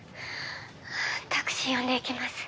☎タクシー呼んで行きます